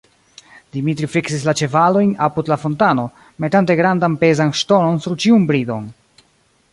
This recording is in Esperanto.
Dimitri fiksis la ĉevalojn apud la fontano, metante grandan pezan ŝtonon sur ĉiun bridon.